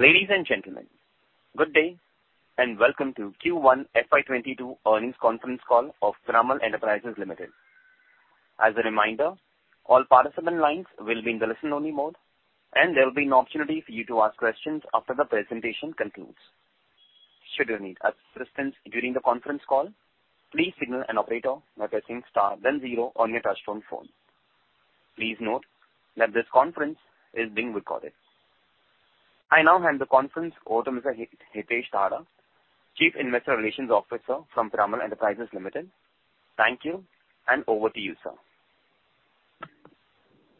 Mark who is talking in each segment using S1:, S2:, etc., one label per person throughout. S1: Ladies and gentlemen, good day, and welcome to Q1 FY2022 Earnings Conference Call of Piramal Enterprises Limited. As a reminder, all participant lines will be in the listen only mode, and there will be an opportunity for you to ask questions after the presentation concludes. Should you need assistance during the conference call, please signal an operator by pressing star then zero on your touchtone phone. Please note that this conference is being recorded. I now hand the conference over to Mr. Hitesh Dhaddha, Chief Investor Relations Officer from Piramal Enterprises Limited. Thank you, and over to you, sir.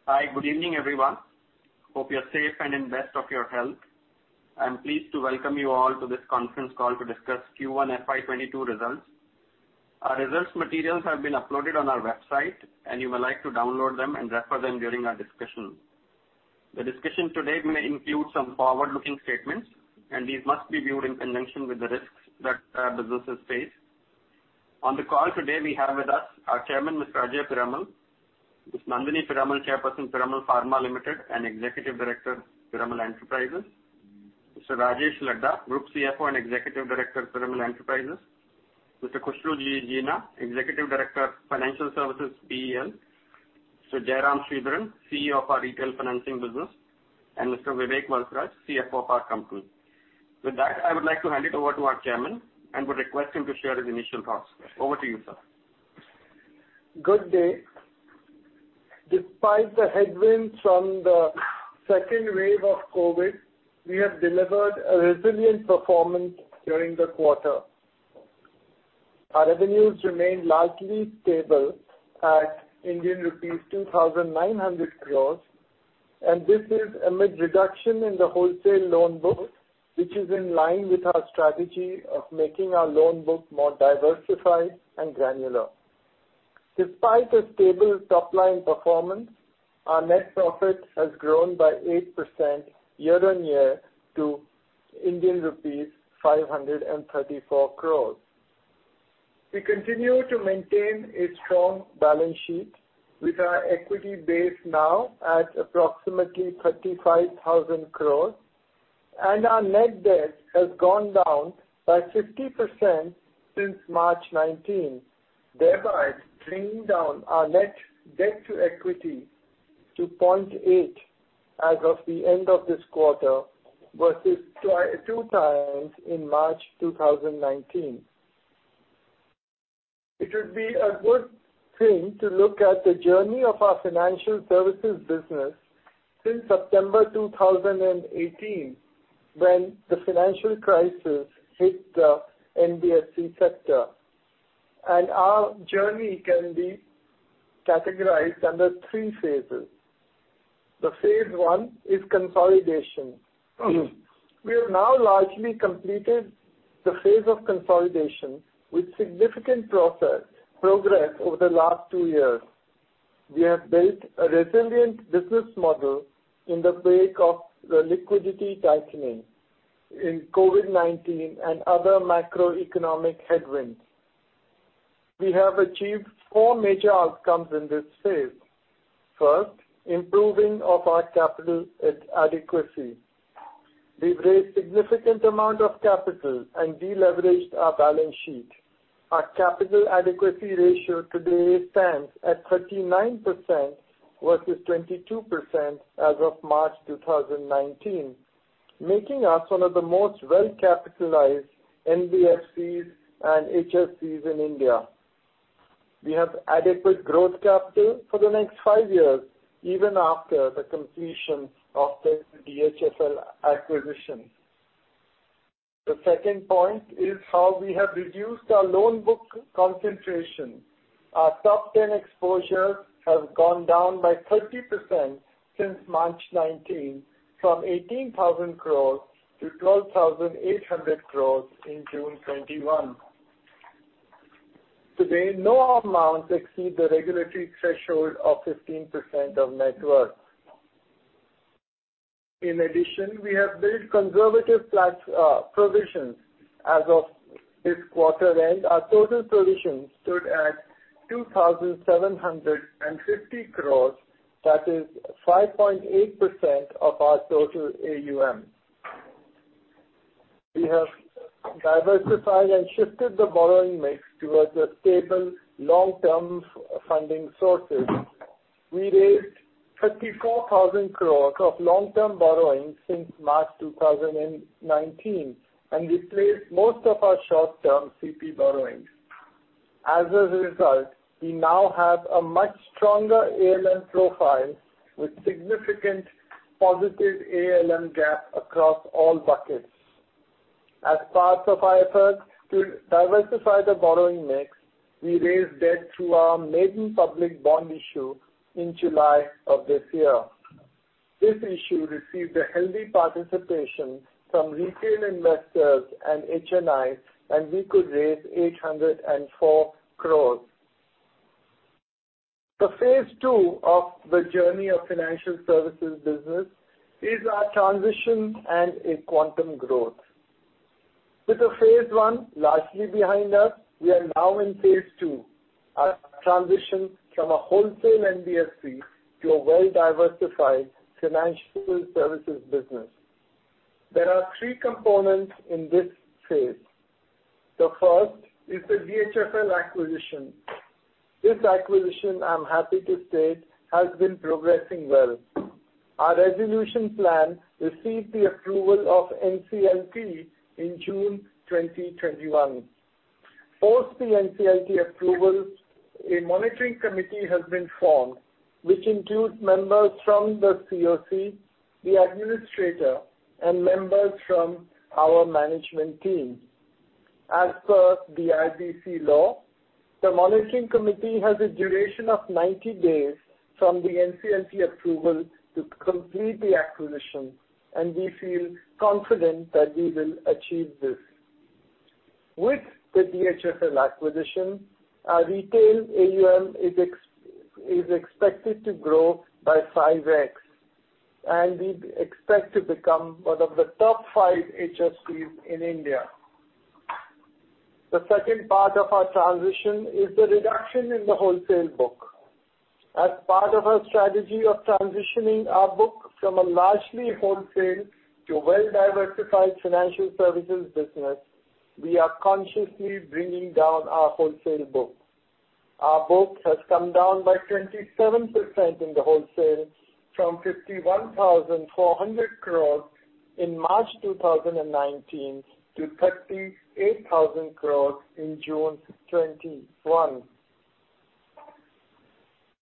S2: Hi. Good evening, everyone. Hope you're safe and in best of your health. I'm pleased to welcome you all to this conference call to discuss Q1 FY2022 results. Our results materials have been uploaded on our website, and you may like to download them and refer them during our discussion. The discussion today may include some forward-looking statements. These must be viewed in conjunction with the risks that our businesses face. On the call today, we have with us our Chairman, Mr. Ajay Piramal, Ms. Nandini Piramal, Chairperson, Piramal Pharma Limited and Executive Director, Piramal Enterprises, Mr. Rajesh Laddha, Group CFO and Executive Director, Piramal Enterprises, Mr. Khushru Jijina, Executive Director, Financial Services, Piramal Enterprises Limited, Mr. Jairam Sridharan, CEO of our Retail Financing Business, and Mr. Vivek Valsaraj, CFO of our company. With that, I would like to hand it over to our Chairman and would request him to share his initial thoughts. Over to you, sir.
S3: Good day. Despite the headwinds from the second wave of COVID, we have delivered a resilient performance during the quarter. Our revenues remained largely stable at Indian rupees 2,900 crores. This is amid reduction in the wholesale loan book, which is in line with our strategy of making our loan book more diversified and granular. Despite a stable top-line performance, our net profit has grown by 8% year-on-year to Indian rupees 534 crores. We continue to maintain a strong balance sheet with our equity base now at approximately 35,000 crores. Our net debt has gone down by 50% since March 2019, thereby bringing down our net debt to equity to 0.8 as of the end of this quarter versus 2x in March 2019. It would be a good thing to look at the journey of our financial services business since September 2018, when the financial crisis hit the NBFC sector. Our journey can be categorized under three phases. The phase I is consolidation. We have now largely completed the phase of consolidation with significant progress over the last two years. We have built a resilient business model in the wake of the liquidity tightening in COVID-19 and other macroeconomic headwinds. We have achieved four major outcomes in this phase. First, improving of our capital adequacy. We've raised significant amount of capital and de-leveraged our balance sheet. Our capital adequacy ratio today stands at 39% versus 22% as of March 2019, making us one of the most well-capitalized NBFCs and HFCs in India. We have adequate growth capital for the next five years, even after the completion of the DHFL acquisition. The second point is how we have reduced our loan book concentration. Our top 10 exposures have gone down by 30% since March 2019, from 18,000 crores to 12,800 crores in June 2021. Today, no amounts exceed the regulatory threshold of 15% of net worth. In addition, we have built conservative provisions. As of this quarter end, our total provisions stood at 2,750 crores, that is 5.8% of our total AUM. We have diversified and shifted the borrowing mix towards a stable long-term funding sources. We raised 34,000 crores of long-term borrowings since March 2019 and replaced most of our short-term CP borrowings. As a result, we now have a much stronger ALM profile with significant positive ALM gap across all buckets. As part of our efforts to diversify the borrowing mix, we raised debt through our maiden public bond issue in July of this year. This issue received a healthy participation from retail investors and HNI, and we could raise 804 crores. The phase II of the journey of financial services business is our transition and a quantum growth. With the phase I largely behind us, we are now in phase II, our transition from a wholesale NBFC to a well-diversified financial services business. There are three components in this phase. The first is the DHFL acquisition. This acquisition, I'm happy to state, has been progressing well. Our resolution plan received the approval of NCLT in June 2021. Post the NCLT approval, a monitoring committee has been formed, which includes members from the COC, the administrator, and members from our management team. As per the IBC law, the monitoring committee has a duration of 90 days from the NCLT approval to complete the acquisition, and we feel confident that we will achieve this. With the DHFL acquisition, our retail AUM is expected to grow by 5x, and we expect to become one of the top five HFCs in India. The second part of our transition is the reduction in the wholesale book. As part of our strategy of transitioning our book from a largely wholesale to a well-diversified financial services business, we are consciously bringing down our wholesale book. Our book has come down by 27% in the wholesale from 51,400 crore in March 2019 to 38,000 crore in June 2021.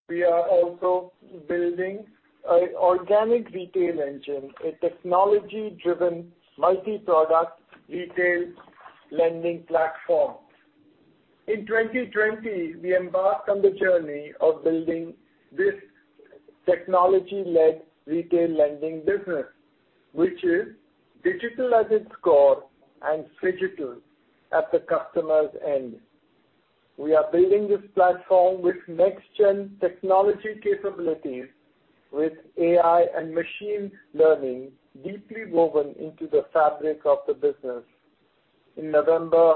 S3: We are also building an organic retail engine, a technology-driven multi-product retail lending platform. In 2020, we embarked on the journey of building this technology-led retail lending business, which is digital at its core and phygital at the customer's end. We are building this platform with next-gen technology capabilities with AI and machine learning deeply woven into the fabric of the business. In November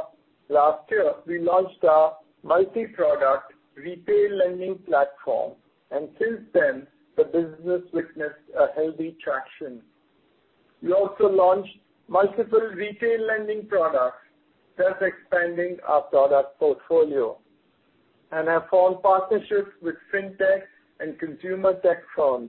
S3: last year, we launched our multi-product retail lending platform. Since then, the business witnessed a healthy traction. We also launched multiple retail lending products, thus expanding our product portfolio and have formed partnerships with fintech and consumer tech firms.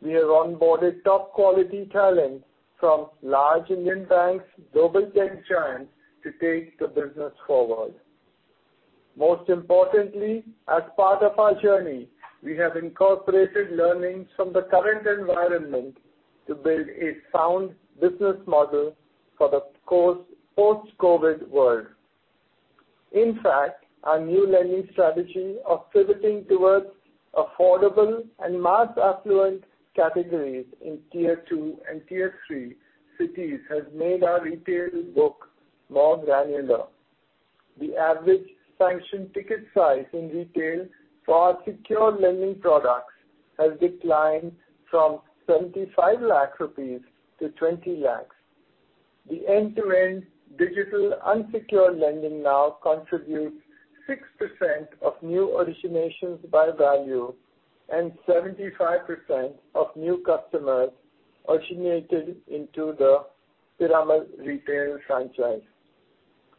S3: We have onboarded top quality talent from large Indian banks, global tech giants to take the business forward. Most importantly, as part of our journey, we have incorporated learnings from the current environment to build a sound business model for the post-COVID world. In fact, our new lending strategy of pivoting towards affordable and mass affluent categories in tier 2 and tier 3 cities has made our retail book more granular. The average sanctioned ticket size in retail for our secure lending products has declined from 75 lakh rupees to 20 lakh. The end-to-end digital unsecured lending now contributes 6% of new originations by value and 75% of new customers originated into the Piramal retail franchise.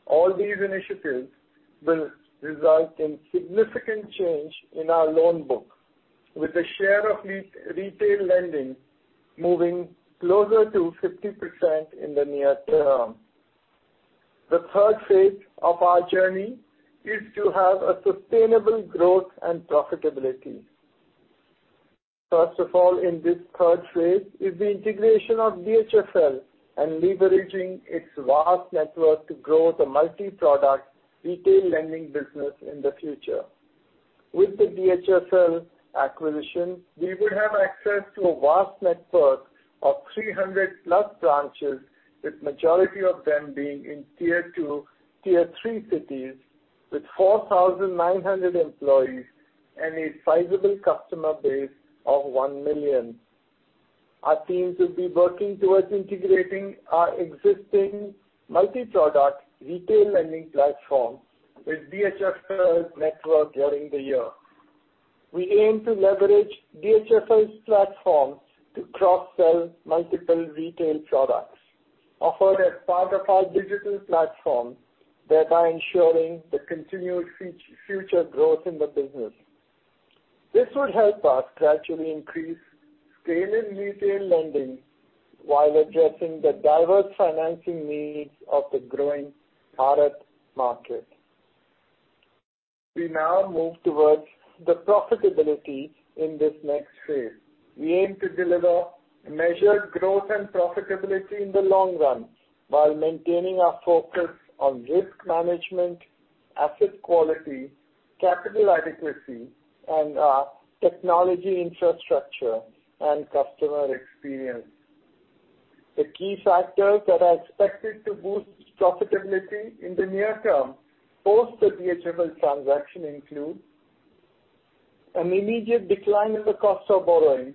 S3: All these initiatives will result in significant change in our loan book with a share of retail lending moving closer to 50% in the near term. The third phase of our journey is to have a sustainable growth and profitability. First of all in this third phase is the integration of DHFL and leveraging its vast network to grow the multi-product retail lending business in the future. With the DHFL acquisition, we would have access to a vast network of 300+ branches, with majority of them being in tier 2, tier 3 cities with 4,900 employees and a sizable customer base of 1 million. Our teams will be working towards integrating our existing multi-product retail lending platform with DHFL's network during the year. We aim to leverage DHFL's platform to cross-sell multiple retail products, offered as part of our digital platform, thereby ensuring the continued future growth in the business. This would help us gradually increase scale in retail lending while addressing the diverse financing needs of the growing Bharat market. We now move towards the profitability in this next phase. We aim to deliver measured growth and profitability in the long run while maintaining our focus on risk management, asset quality, capital adequacy, and our technology infrastructure and customer experience. The key factors that are expected to boost profitability in the near term post the DHFL transaction include: An immediate decline in the cost of borrowing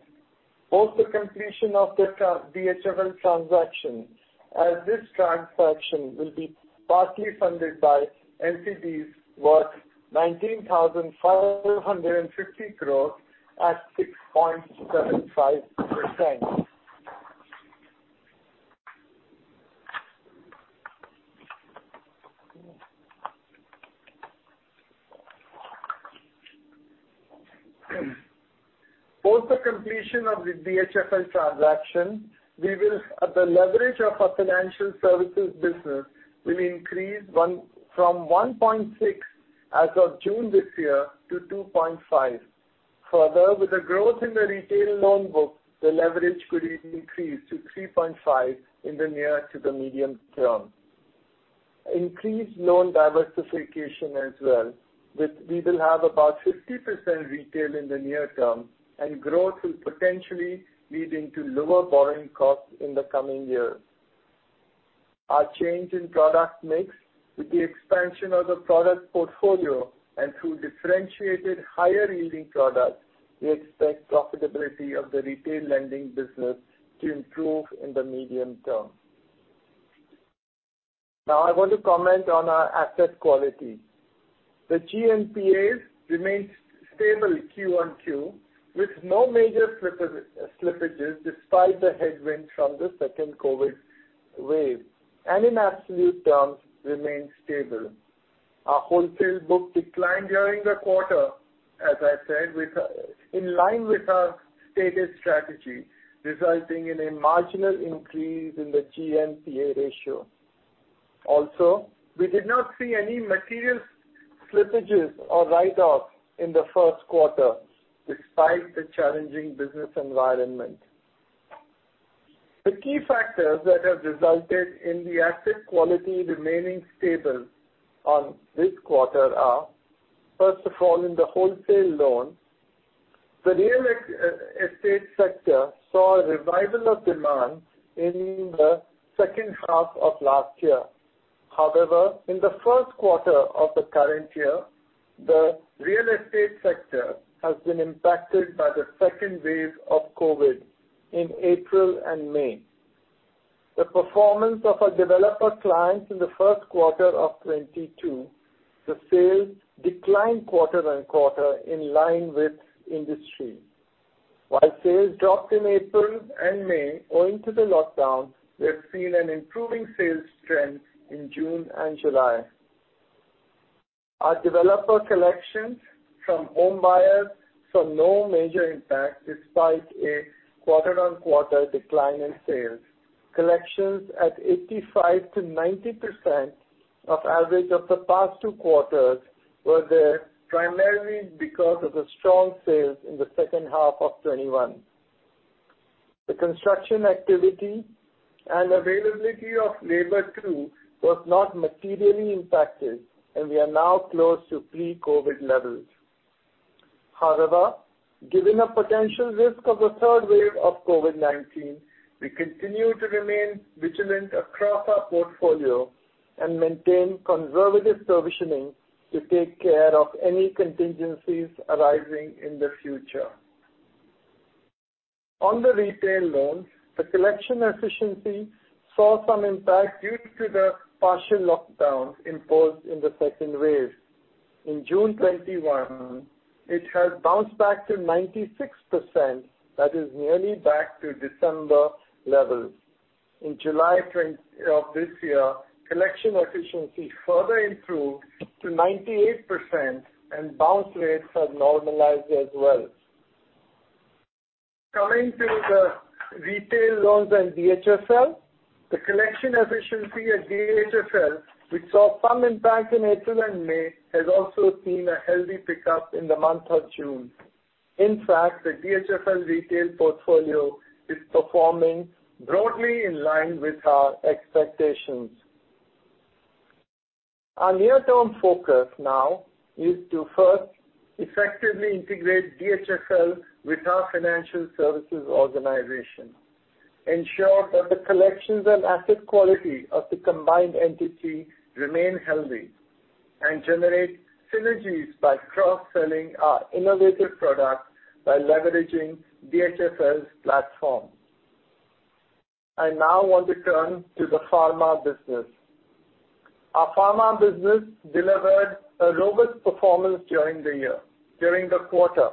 S3: post the completion of the DHFL transaction, as this transaction will be partly funded by NCDs worth 19,550 crores at 6.75%. Post the completion of the DHFL transaction, the leverage of our financial services business will increase from 1.6 as of June this year to 2.5. With the growth in the retail loan book, the leverage could even increase to 3.5 in the near to the medium term. Increased loan diversification as well, we will have about 50% retail in the near term, and growth will potentially lead into lower borrowing costs in the coming year. Our change in product mix with the expansion of the product portfolio and through differentiated higher-yielding products, we expect profitability of the retail lending business to improve in the medium term. I want to comment on our asset quality. The GNPA remains stable QoQ, with no major slippages despite the headwind from the second COVID wave, and in absolute terms, remains stable. Our wholesale book declined during the quarter, as I said, in line with our stated strategy, resulting in a marginal increase in the GNPA ratio. We did not see any material slippages or write-offs in the first quarter, despite the challenging business environment. The key factors that have resulted in the asset quality remaining stable on this quarter are, first of all, in the wholesale loans. The real estate sector saw a revival of demand in the second half of last year. In the first quarter of the current year, the real estate sector has been impacted by the second wave of COVID in April and May. The performance of our developer clients in the first quarter of 2022, the sales declined quarter-on-quarter in line with industry. While sales dropped in April and May owing to the lockdown, we have seen an improving sales trend in June and July. Our developer collections from home buyers saw no major impact despite a quarter-on-quarter decline in sales. Collections at 85%-90% of average of the past two quarters were there primarily because of the strong sales in the second half of 2021. The construction activity and availability of labor too was not materially impacted, and we are now close to pre-COVID levels. Given the potential risk of the third wave of COVID-19, we continue to remain vigilant across our portfolio and maintain conservative provisioning to take care of any contingencies arising in the future. On the retail loans, the collection efficiency saw some impact due to the partial lockdowns imposed in the second wave. In June 2021, it has bounced back to 96%, that is nearly back to December levels. In July of this year, collection efficiency further improved to 98%, and bounce rates have normalized as well. Coming to the retail loans and DHFL, the collection efficiency at DHFL, which saw some impact in April and May, has also seen a healthy pickup in the month of June. In fact, the DHFL retail portfolio is performing broadly in line with our expectations. Our near-term focus now is to first effectively integrate DHFL with our financial services organization, ensure that the collections and asset quality of the combined entity remain healthy, and generate synergies by cross-selling our innovative products by leveraging DHFL's platform. I now want to turn to the pharma business. Our pharma business delivered a robust performance during the quarter.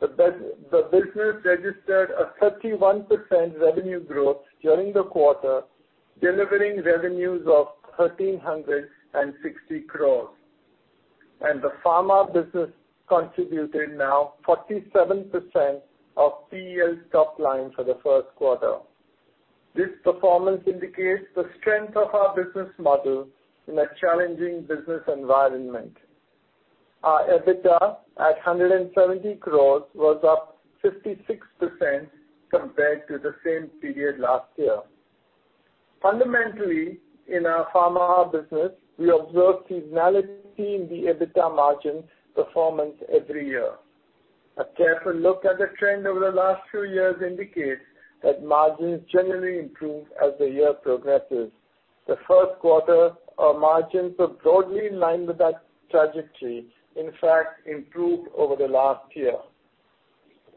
S3: The business registered a 31% revenue growth during the quarter, delivering revenues of 1,360 crores. The pharma business contributed now 47% of PEL's top line for the first quarter. This performance indicates the strength of our business model in a challenging business environment. Our EBITDA at 170 crores was up 56% compared to the same period last year. Fundamentally, in our pharma business, we observe seasonality in the EBITDA margin performance every year. A careful look at the trend over the last few years indicates that margins generally improve as the year progresses. The first quarter margins are broadly in line with that trajectory. In fact, improved over the last year.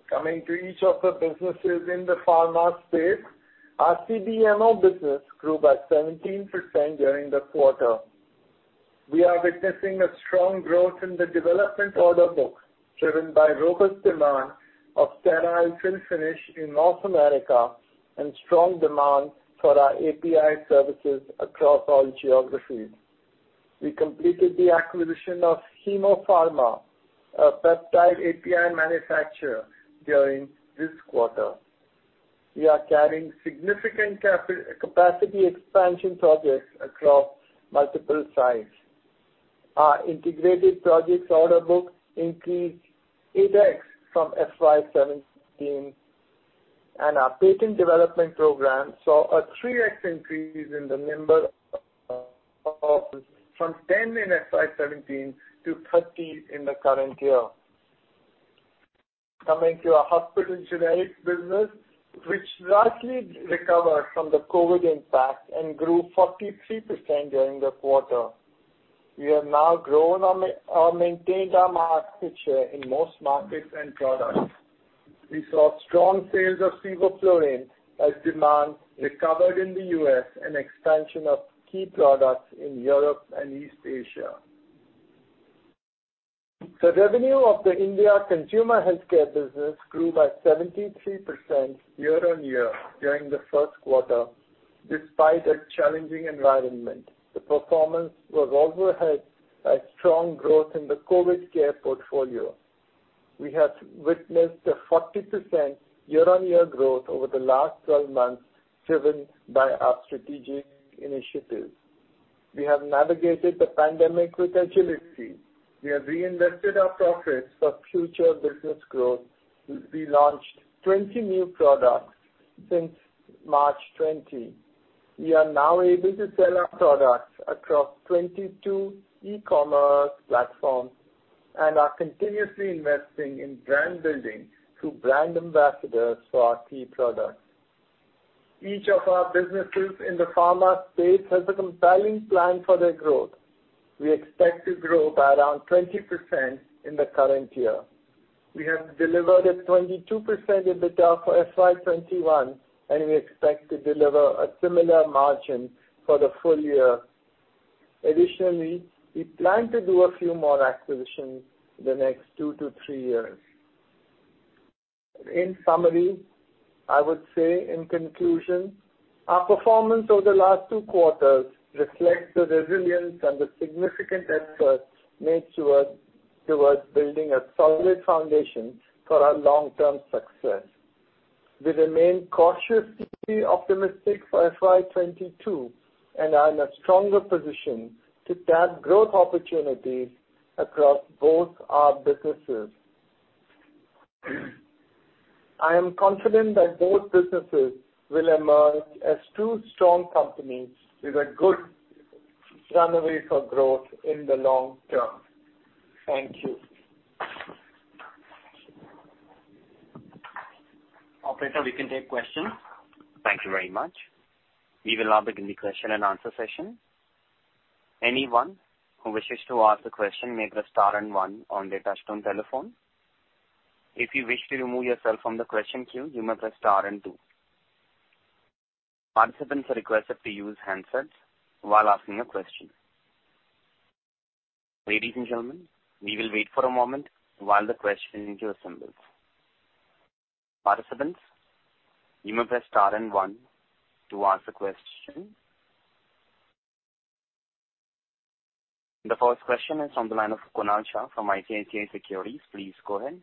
S3: Coming to each of the businesses in the pharma space, our CDMO business grew by 17% during the quarter. We are witnessing a strong growth in the development order book, driven by robust demand of sterile fill finish in North America and strong demand for our API services across all geographies. We completed the acquisition of Hemmo Pharmaceuticals, a peptide API manufacturer, during this quarter. We are carrying significant capacity expansion projects across multiple sites. Our integrated projects order book increased 8x from FY2017, and our patent development program saw a 3x increase in the number of from 10 in FY2017 to 30 in the current year. Coming to our hospital generics business, which largely recovered from the COVID impact and grew 43% during the quarter. We have now maintained our market share in most markets and products. We saw strong sales of ciprofloxacin as demand recovered in the U.S. and expansion of key products in Europe and East Asia. The revenue of the India consumer healthcare business grew by 73% year-on-year during the first quarter, despite a challenging environment. The performance was also helped by strong growth in the COVID care portfolio. We have witnessed a 40% year-on-year growth over the last 12 months, driven by our strategic initiatives. We have navigated the pandemic with agility. We have reinvested our profits for future business growth. We launched 20 new products since March 2020. We are now able to sell our products across 22 e-commerce platforms and are continuously investing in brand building through brand ambassadors for our key products. Each of our businesses in the pharma space has a compelling plan for their growth. We expect to grow by around 20% in the current year. We have delivered a 22% EBITDA for FY2021, and we expect to deliver a similar margin for the full year. We plan to do a few more acquisitions in the next two to three years. I would say in conclusion, our performance over the last two quarters reflects the resilience and the significant effort made towards building a solid foundation for our long-term success. We remain cautiously optimistic for FY2022 and are in a stronger position to tap growth opportunities across both our businesses. I am confident that both businesses will emerge as two strong companies with a good runway for growth in the long term. Thank you.
S2: Operator, we can take questions.
S1: Thank you very much. We will now begin the question-and-answer session. Anyone who wishes to ask a question may press star and one on their touch-tone telephone. If you wish to remove yourself from the question queue, you may press star and two. Participants are requested to use handsets while asking a question. Ladies and gentlemen, we will wait for a moment while the questioning queue assembles. Participants, you may press star and one to ask a question. The first question is on the line of Kunal Shah from ICICI Securities. Please go ahead.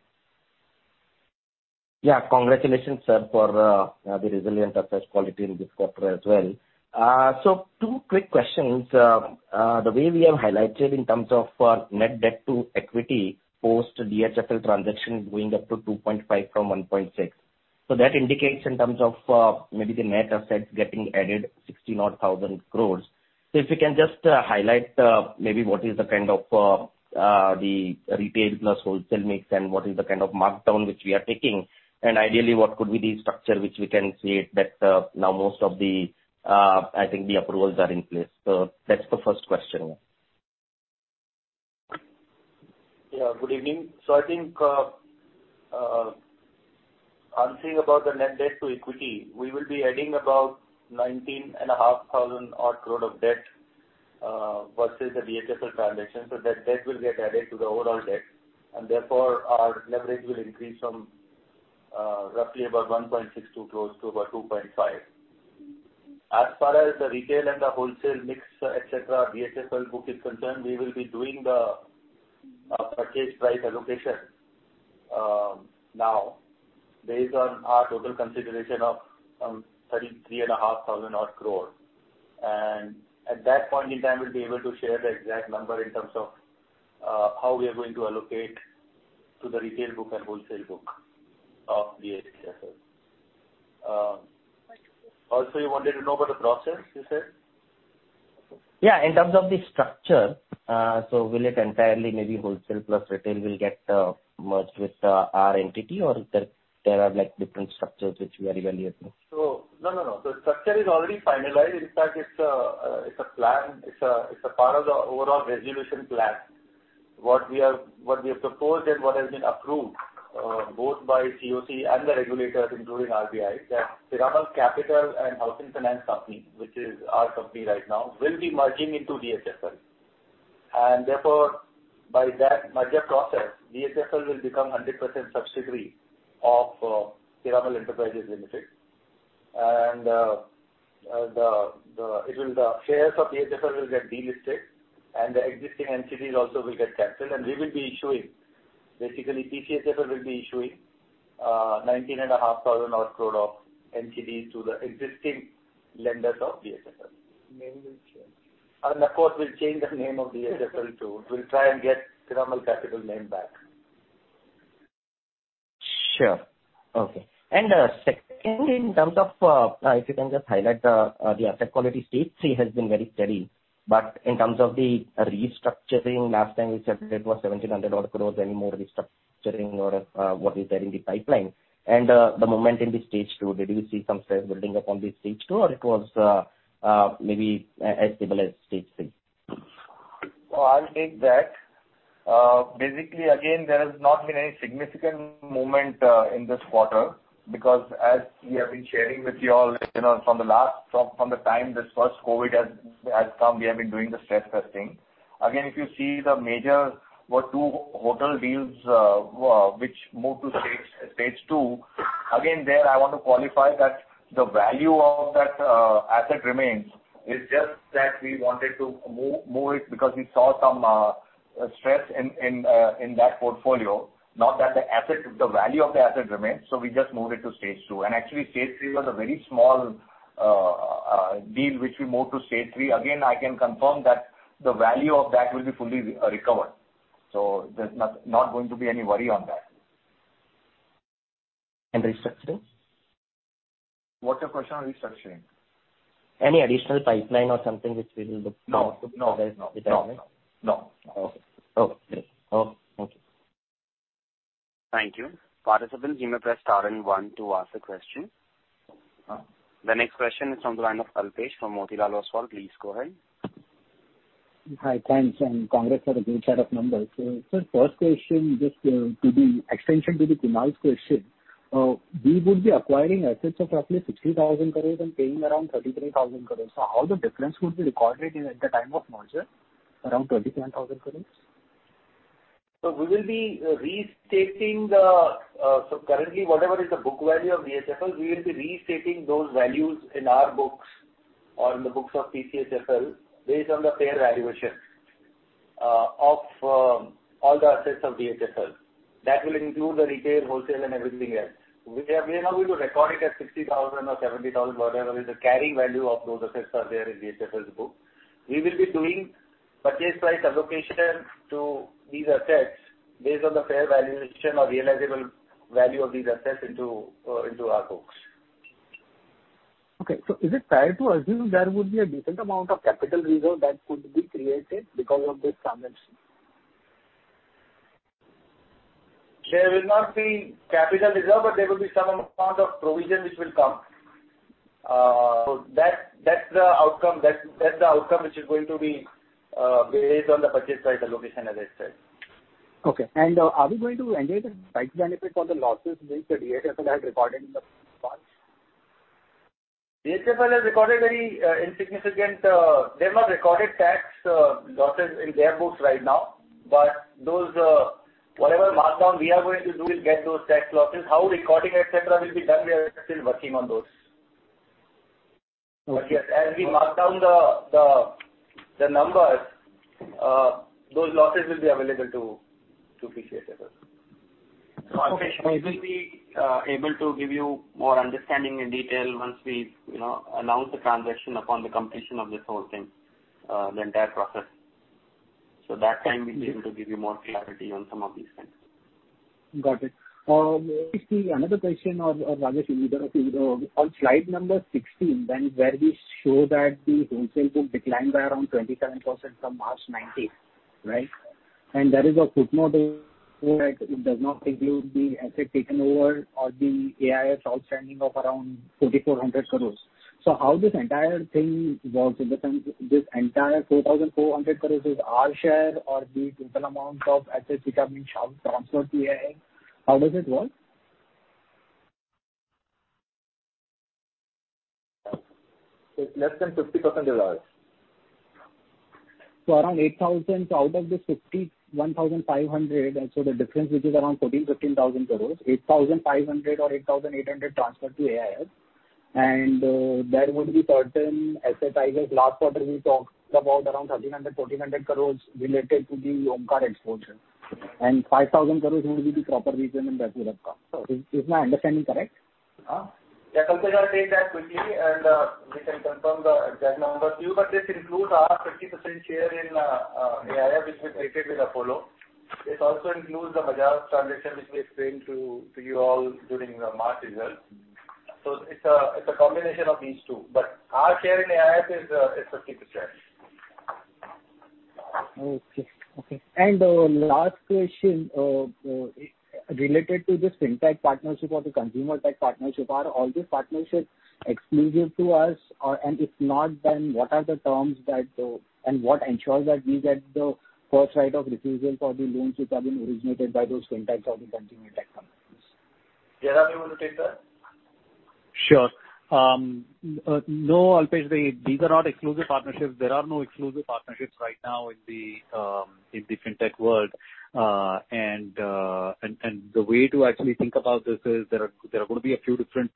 S4: Yeah. Congratulations, sir, for the resilient assets quality in this quarter as well. Two quick questions. The way we have highlighted in terms of net debt to equity post DHFL transaction going up to 2.5 crores from 1.6 crores. That indicates in terms of maybe the net assets getting added 16,000 odd crore. If you can just highlight maybe what is the kind of the retail plus wholesale mix and what is the kind of markdown which we are taking. Ideally, what could be the structure which we can see that now most of the approvals are in place. That's the first question.
S5: Good evening. I think, answering about the net debt to equity, we will be adding about 19,500 odd crore of debt, versus the DHFL transaction. That debt will get added to the overall debt, and therefore, our leverage will increase from roughly about 1.62 crores to about 2.5 crores. As far as the retail and the wholesale mix, et cetera, DHFL book is concerned, we will be doing the purchase price allocation now based on our total consideration of some 33,500 odd crore. At that point in time, we'll be able to share the exact number in terms of how we are going to allocate to the retail book and wholesale book of DHFL. Also, you wanted to know about the process, you said?
S4: Yeah, in terms of the structure, will it entirely maybe wholesale plus retail will get merged with our entity or there are different structures which we are evaluating?
S5: No, the structure is already finalized. In fact, it's a part of the overall resolution plan. What we have proposed and what has been approved, both by COC and the regulators, including RBI, that Piramal Capital & Housing Finance Limited, which is our company right now, will be merging into DHFL. By that merger process, DHFL will become 100% subsidiary of Piramal Enterprises Limited and the shares of DHFL will get delisted and the existing NCDs also will get canceled and we will be issuing. Basically, PCHFL will be issuing 19,500 crore of NCD to the existing lenders of DHFL.
S6: Name will change.
S5: Of course, we'll change the name of DHFL too. We'll try and get Piramal Capital name back.
S4: Sure. Okay. Second, in terms of, if you can just highlight the asset quality. Stage 3 has been very steady, but in terms of the restructuring, last time you said it was 1,700 crore. Is any more restructuring or what is there in the pipeline? The movement in the stage 2, did you see some stress building up on the stage 2, or it was maybe as stable as stage 3?
S5: I'll take that. Basically, again, there has not been any significant movement in this quarter because as we have been sharing with you all from the time this first COVID has come, we have been doing the stress testing. If you see the major were two hotel deals which moved to stage 2. There I want to qualify that the value of that asset remains. It's just that we wanted to move it because we saw some stress in that portfolio, not that the asset, the value of the asset remains. We just moved it to stage 2. Actually, stage 3 was a very small deal which we moved to stage 3. I can confirm that the value of that will be fully recovered. There's not going to be any worry on that.
S4: Restructuring?
S5: What's your question on restructuring?
S4: Any additional pipeline or something which we will look.
S5: No.
S4: Okay. Thank you.
S1: Thank you. The next question is on the line of Alpesh from Motilal Oswal. Please go ahead.
S7: Hi, thanks. Congrats on a good set of numbers. First question, just to the extension to the Kunal's question, we would be acquiring assets of roughly 60,000 crore and paying around 33,000 crore. How the difference would be recorded in at the time of merger, around 27,000 crore?
S5: Currently, whatever is the book value of DHFL, we will be restating those values in our books or in the books of PCHFL based on the fair valuation of all the assets of DHFL. That will include the retail, wholesale and everything else. We are not going to record it as 60,000 or 70,000, whatever is the carrying value of those assets are there in DHFL's book. We will be doing purchase price allocation to these assets based on the fair valuation or realizable value of these assets into our books.
S7: Okay. Is it fair to assume there would be a decent amount of capital reserve that could be created because of this transaction?
S5: There will not be capital reserve, but there will be some amount of provision which will come. That is the outcome which is going to be based on the purchase price allocation, as I said.
S7: Okay. Are we going to enjoy the tax benefit on the losses which the DHFL had recorded in the past?
S5: DHFL has not recorded tax losses in their books right now. Whatever markdown we are going to do will get those tax losses. How recording, et cetera, will be done, we are still working on those.
S7: Okay.
S5: Yes, as we mark down the numbers, those losses will be available to PCHFL.
S7: Okay.
S5: Alpesh, we will be able to give you more understanding in detail once we announce the transaction upon the completion of this whole thing, the entire process. That time we'll be able to give you more clarity on some of these things.
S7: Got it. Maybe another question or Rajesh, either of you. On slide number 16, where we show that the wholesale book declined by around 27% from March 2019. Right. There is a footnote there that it does not include the asset taken over or the AIF outstanding of around 4,400 crores. How this entire thing works, in the sense this entire 4,400 crores is our share or the total amount of assets which have been transferred to AIF. How does it work?
S5: It's less than 50% is ours.
S7: Around 8,000 out of this 51,500. The difference, which is around 14,000-15,000 crores. 8,500 or 8,800 transferred to AIF, and there would be certain asset, I guess last quarter we talked about around 1,300-1,400 crores related to the Omkar exposure, and 5,000 crores would be the proper return in that would have come. Is my understanding correct?
S8: Alpesh, I'll take that quickly, we can confirm the exact numbers to you. This includes our 50% share in AIF, which we created with Apollo. This also includes the [major] transaction, which we explained to you all during the March results. It's a combination of these two, but our share in AIF is 50%.
S7: Okay. Last question, related to this fintech partnership or the consumer tech partnership, are all these partnerships exclusive to us? If not, what are the terms, and what ensures that we get the first right of refusal for the loans which have been originated by those fintechs or the consumer tech companies?
S8: Jairam, are you going to take that?
S9: Sure. No, Alpesh, these are not exclusive partnerships. There are no exclusive partnerships right now in the fintech world. The way to actually think about this is there are going to be a few different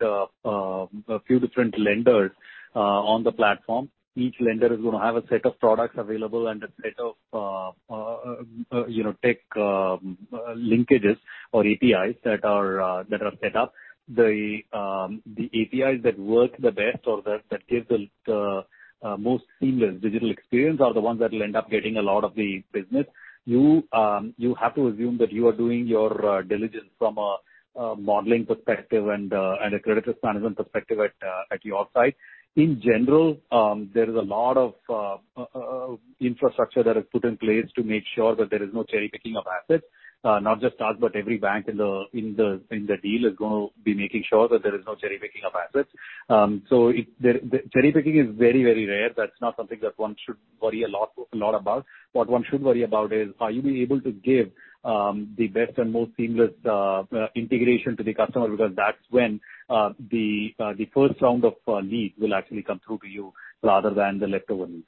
S9: lenders on the platform. Each lender is going to have a set of products available and a set of tech linkages or APIs that are set up. The APIs that work the best or that give the most seamless digital experience are the ones that will end up getting a lot of the business. You have to assume that you are doing your diligence from a modeling perspective and a credit risk management perspective at your side. In general, there is a lot of infrastructure that is put in place to make sure that there is no cherry-picking of assets. Not just us, but every bank in the deal is going to be making sure that there is no cherry-picking of assets. Cherry-picking is very rare. That's not something that one should worry a lot about. What one should worry about is, are you able to give the best and most seamless integration to the customer, because that's when the first round of leads will actually come through to you rather than the leftover leads.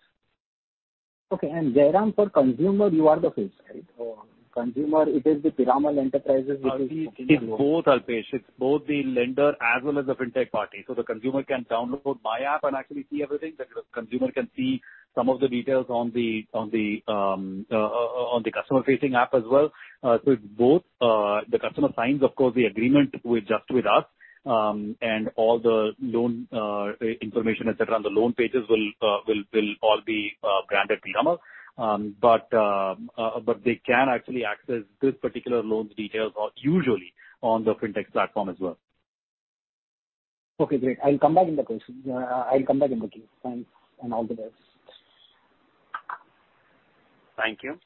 S7: Okay. Jairam, for consumer, you are the face, right? For consumer, it is the Piramal Enterprises which is-
S9: It's both, Alpesh. It's both the lender as well as the fintech party. The consumer can download my app and actually see everything. The consumer can see some of the details on the customer-facing app as well. It's both. The customer signs, of course, the agreement just with us, and all the loan information, et cetera, on the loan pages will all be branded Piramal. They can actually access this particular loan's details usually on the fintech platform as well.
S7: Okay, great. I'll come back in the queue. Thanks and all the best.
S1: Thank you.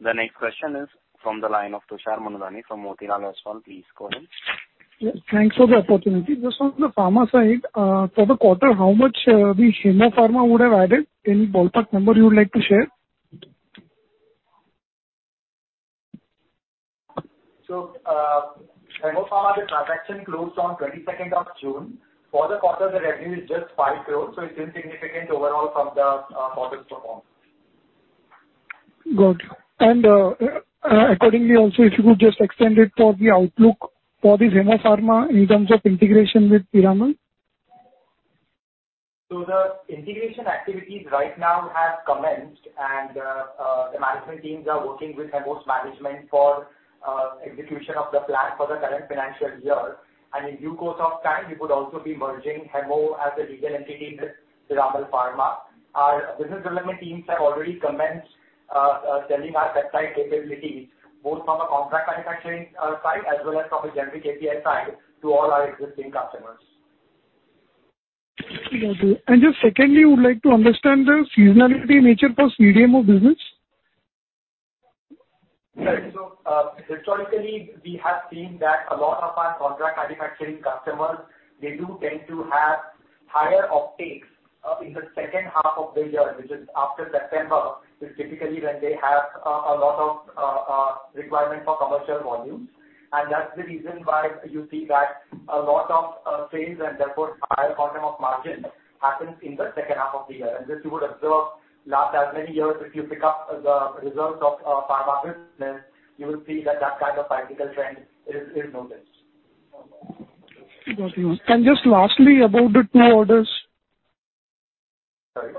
S1: The next question is from the line of Tushar Manudhane from Motilal Oswal. Please go ahead.
S10: Yes, thanks for the opportunity. Just on the pharma side, for the quarter, how much the Hemmo Pharma would've added? Any ballpark number you would like to share?
S8: Hemmo Pharma, the transaction closed on 22nd of June. For the quarter, the revenue is just 5 crores, it's insignificant overall from the quarter-to-quarter.
S10: Got you. Accordingly, also, if you could just extend it for the outlook for this Hemmo Pharma in terms of integration with Piramal.
S8: The integration activities right now have commenced, and the management teams are working with Hemmo's management for execution of the plan for the current financial year. In due course of time, we would also be merging Hemmo as a legal entity with Piramal Pharma. Our business development teams have already commenced selling our peptide capabilities, both from a contract manufacturing side as well as from a generic API side to all our existing customers.
S10: Got you. Just secondly, would like to understand the seasonality nature for CDMO business.
S8: Right. Historically, we have seen that a lot of our contract manufacturing customers, they do tend to have higher uptakes in the second half of the year, which is after September, which is typically when they have a lot of requirement for commercial volumes. That's the reason why you see that a lot of sales and therefore higher quantum of margin happens in the second half of the year. This you would observe last as many years, if you pick up the results of PharmaBiz, then you will see that kind of cyclical trend is noticed.
S10: Got you. Just lastly, about the two orders.
S8: Sorry?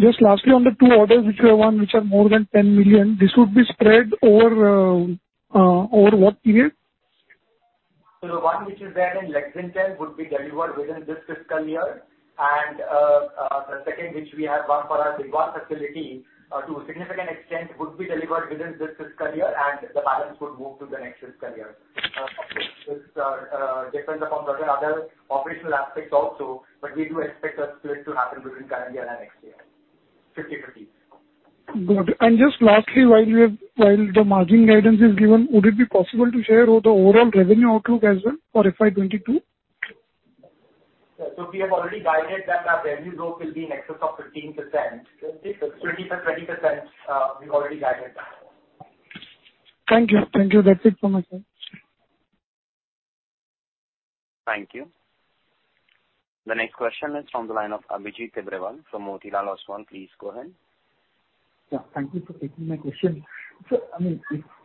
S10: Just lastly, on the two orders which you have won, which are more than 10 million, this would be spread over what year?
S8: The one which is there in Lexington would be delivered within this fiscal year. The second, which we have won for our Digwal facility, to a significant extent, would be delivered within this fiscal year, and the balance would move to the next fiscal year. This depends upon certain other operational aspects also, but we do expect the split to happen between current year and next year, 50/50.
S10: Got it. Just lastly, while the margin guidance is given, would it be possible to share the overall revenue outlook as well for FY2022?
S8: We have already guided that our revenue growth will be in excess of 15%, 20%. We've already guided that.
S10: Thank you. That is it from my side.
S1: Thank you. The next question is from the line of Abhijit Tibrewal from Motilal Oswal. Please go ahead.
S11: Yeah. Thank you for taking my question.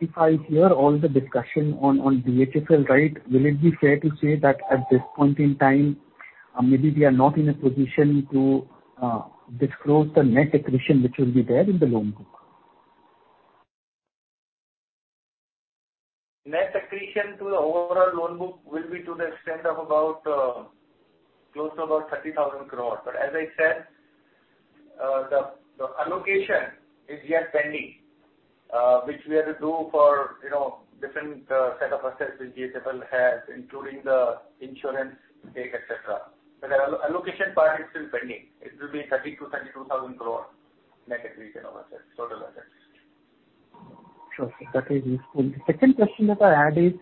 S11: If I hear all the discussion on DHFL, right, will it be fair to say that at this point in time, maybe we are not in a position to disclose the net accretion which will be there in the loan book?
S5: Net accretion to the overall loan book will be to the extent of about close to about 30,000 crore. The allocation is yet pending, which we have to do for different set of assets which DHFL has, including the insurance take, et cetera. The allocation part is still pending. It will be 30,000 crore-32,000 crore net accretion of total assets.
S11: Sure. That is useful. The second question that I had is,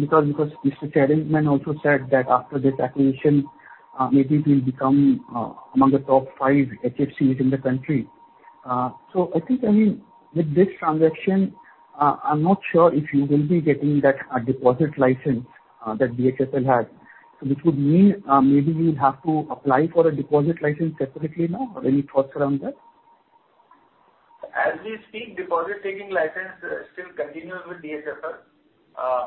S11: because Mr. Chairman also said that after this acquisition, maybe it will become among the top five HFCs in the country. I think with this transaction, I'm not sure if you will be getting that deposit license that DHFL had. Which would mean maybe you will have to apply for a deposit license separately now? Or any thoughts around that?
S5: As we speak, deposit taking license still continues with DHFL.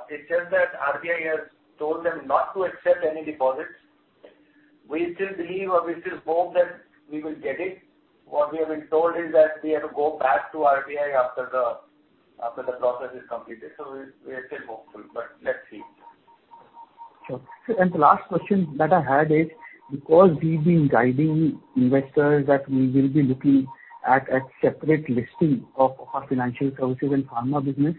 S5: It's just that RBI has told them not to accept any deposits. We still believe or we still hope that we will get it. What we have been told is that we have to go back to RBI after the process is completed. We are still hopeful, but let's see.
S11: Sure. The last question that I had is, because we've been guiding investors that we will be looking at a separate listing of our financial services and pharma business,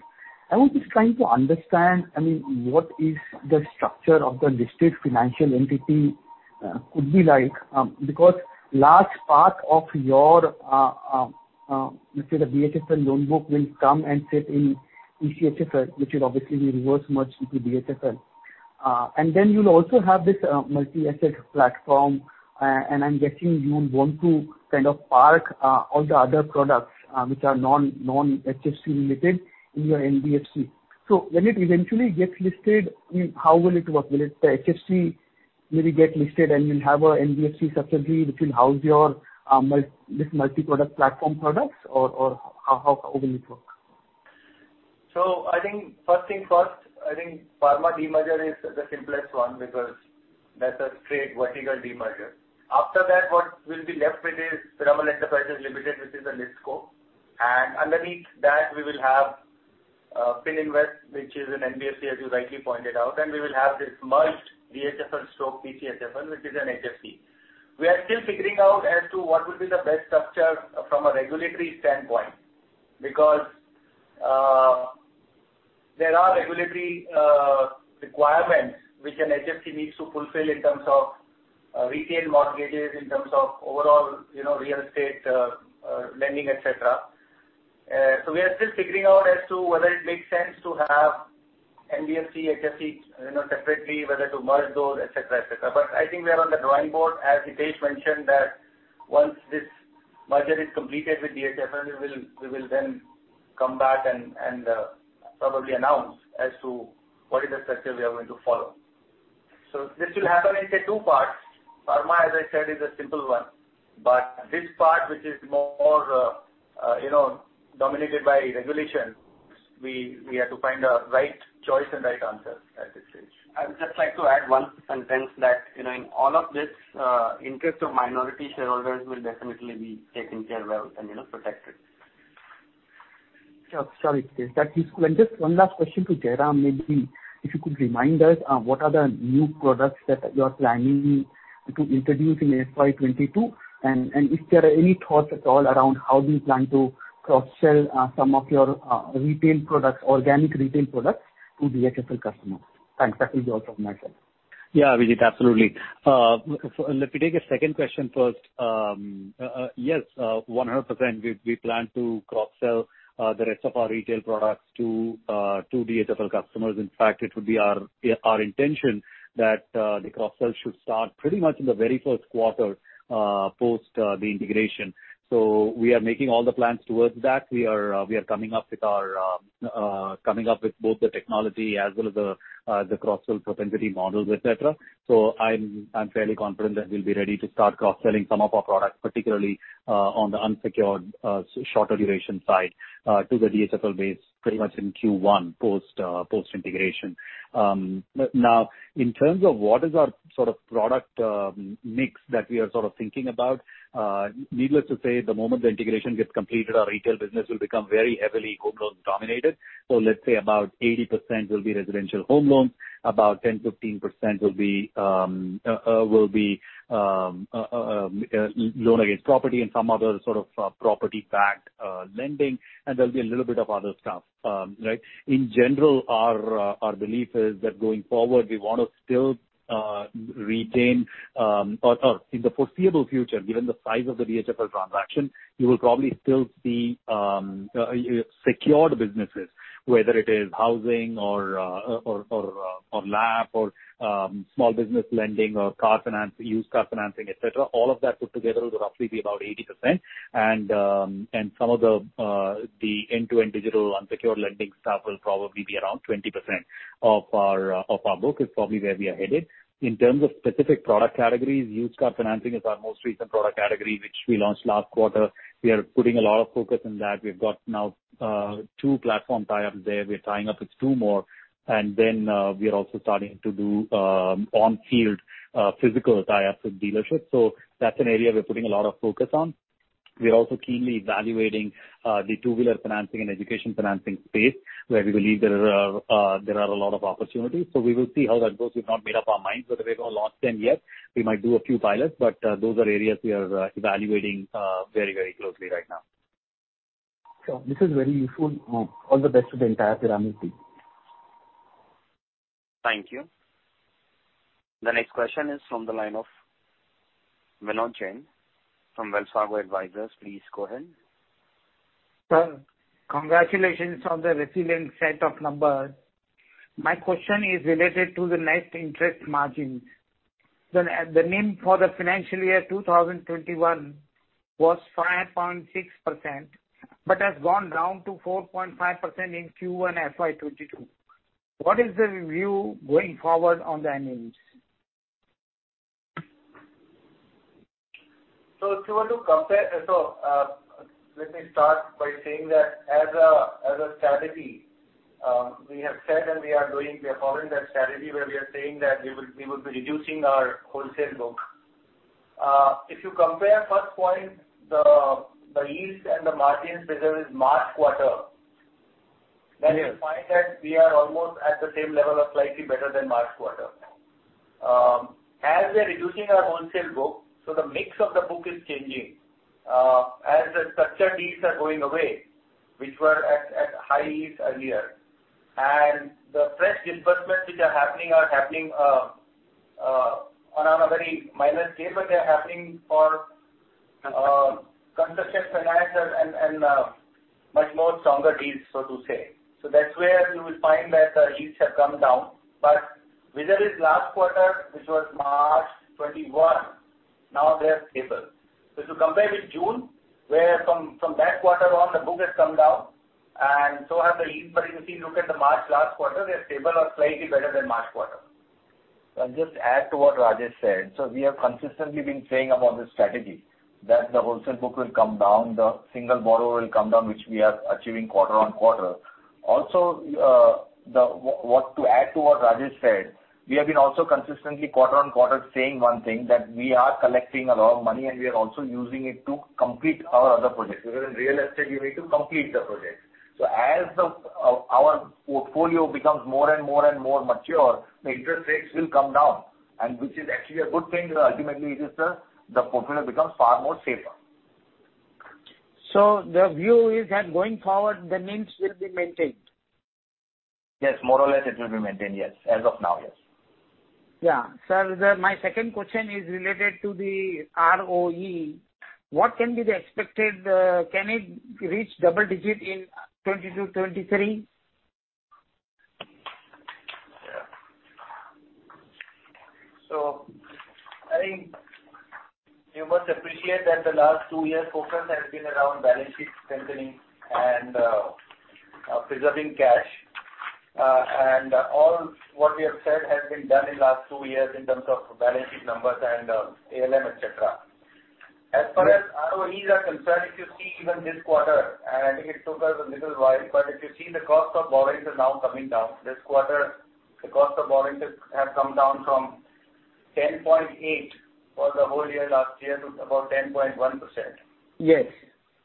S11: I was just trying to understand what is the structure of the listed financial entity could be like. Last part of your DHFL loan book will come and sit in PCHFL, which will obviously be reverse merged into DHFL. You'll also have this multi-asset platform, and I'm guessing you want to kind of park all the other products which are non-HFC related in your NBFC. When it eventually gets listed, how will it work? Will it the HFC maybe get listed and will have a NBFC subsidiary which will house this multi-product platform products or how will it work?
S5: I think first things first, I think Pharma demerger is the simplest one because that's a straight vertical demerger. After that, what will be left with is Piramal Enterprises Limited, which is a NOFHC. Underneath that we will have PHL Fininvest, which is an NBFC, as you rightly pointed out. We will have this merged DHFL/PCHFL which is an HFC. We are still figuring out as to what will be the best structure from a regulatory standpoint because there are regulatory requirements which an HFC needs to fulfill in terms of retail mortgages, in terms of overall real estate lending, et cetera. We are still figuring out as to whether it makes sense to have NBFC, HFC separately, whether to merge those, et cetera. I think we are on the drawing board, as Hitesh mentioned, that once this merger is completed with DHFL, we will then come back and probably announce as to what is the structure we are going to follow. This will happen in, say, two parts. Pharma, as I said, is a simple one, but this part, which is more dominated by regulations, we have to find a right choice and right answers at this stage.
S2: I would just like to add 1 sentence that in all of this, interest of minority shareholders will definitely be taken care well and protected.
S11: Sure. Sorry, Hitesh. That is cool. Just one last question to Jairam, maybe if you could remind us what are the new products that you're planning to introduce in FY2022? If there are any thoughts at all around how do you plan to cross-sell some of your retail products, organic retail products to DHFL customers? Thanks. That will be all from my side.
S9: Abhijit, absolutely. Let me take your second question first. Yes, 100%, we plan to cross-sell the rest of our retail products to DHFL customers. It would be our intention that the cross-sell should start pretty much in the very first quarter post the integration. We are making all the plans towards that. We are coming up with both the technology as well as the cross-sell propensity models, et cetera. I'm fairly confident that we'll be ready to start cross-selling some of our products, particularly on the unsecured shorter duration side to the DHFL base pretty much in Q1 post-integration. In terms of what is our sort of product mix that we are sort of thinking about. Needless to say, the moment the integration gets completed, our retail business will become very heavily co-loan dominated. Let's say about 80% will be residential home loans, about 10%-15% will be loan against property and some other sort of property-backed lending, and there'll be a little bit of other stuff. In general, our belief is that going forward, we want to still retain or in the foreseeable future, given the size of the DHFL transaction, you will probably still see secured businesses, whether it is housing or LAP or small business lending or used car financing, etc. All of that put together will roughly be about 80%. Some of the end-to-end digital unsecured lending stuff will probably be around 20% of our book is probably where we are headed. In terms of specific product categories, used car financing is our most recent product category which we launched last quarter. We are putting a lot of focus on that. We've got now two platform tie-ups there. We're tying up with two more, and then we are also starting to do on-field physical tie-ups with dealerships. That's an area we're putting a lot of focus on. We are also keenly evaluating the two-wheeler financing and education financing space where we believe there are a lot of opportunities. We will see how that goes. We've not made up our minds whether we're going to launch them yet. We might do a few pilots, but those are areas we are evaluating very closely right now.
S11: Sure. This is very useful. All the best to the entire Piramal team.
S1: Thank you. The next question is from the line of Vinod Jain from Jain Investment Advisors. Please go ahead.
S12: Sir, congratulations on the resilient set of numbers. My question is related to the net interest margin. The NIM for the financial year 2021 was 5.6%, but has gone down to 4.5% in Q1 FY2022. What is the review going forward on the NIMs?
S5: Let me start by saying that as a strategy, we have said and we are following that strategy where we are saying that we will be reducing our wholesale book. If you compare first point, the yields and the margins whether it is March quarter. You will find that we are almost at the same level or slightly better than March quarter. We are reducing our wholesale book, so the mix of the book is changing. The structured deals are going away, which were at high yields earlier, and the fresh disbursements which are happening are happening on a very minor scale, but they are happening for construction financiers and much more stronger deals, so to say. That's where you will find that our yields have come down. Whether it's last quarter, which was March 2021, now they are stable. If you compare with June, where from that quarter on the book has come down and so have the yields. If you look at the March last quarter, they are stable or slightly better than March quarter.
S6: I'll just add to what Rajesh said. We have consistently been saying about this strategy that the wholesale book will come down, the single borrower will come down, which we are achieving quarter on quarter. Also, to add to what Rajesh said, we have been also consistently quarter on quarter saying one thing, that we are collecting a lot of money and we are also using it to complete our other projects because in real estate you need to complete the project. As our portfolio becomes more and more mature, the interest rates will come down and which is actually a good thing because ultimately it is the portfolio becomes far more safer.
S12: The view is that going forward the NIMs will be maintained.
S6: Yes, more or less it will be maintained, yes. As of now, yes.
S12: Yeah. Sir, my second question is related to the ROE. Can it reach double digit in 2022, 2023?
S5: I think you must appreciate that the last two years focus has been around balance sheet strengthening and preserving cash. All what we have said has been done in last two years in terms of balance sheet numbers and ALM, et cetera. As far as ROEs are concerned, if you see even this quarter, I think it took us a little while, if you see the cost of borrowings is now coming down. This quarter, the cost of borrowings have come down from 10.8 for the whole year last year to about 10.1%.
S12: Yes.